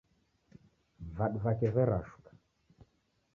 Vadu vake verashuka